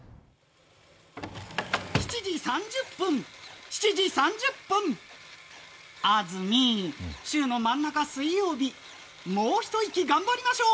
７時３０分、７時３０分安住、週の真ん中水曜日もう一息、頑張りましょう！